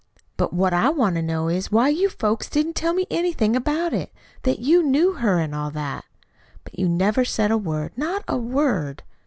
But what I want to know is, why you folks didn't tell me anything about it that you knew her, and all that? But you never said a word not a word.